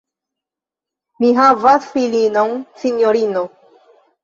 Mi havas filinon, sinjorino!